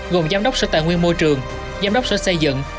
gồm giám đốc sở tài nguyên môi trường giám đốc sở xây dựng